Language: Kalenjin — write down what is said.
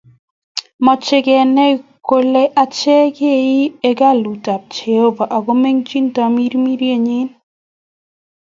Mochei kenai kole achek kei hekalut ab Jehovah akomenyech tamirmirenyi